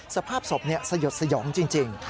สภาพศพสยดสยองจริง